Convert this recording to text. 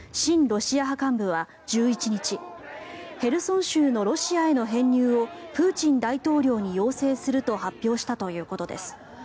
ロシア派幹部は１１日ヘルソン州のロシアへの編入をプーチン大統領に要請すると発表したということです。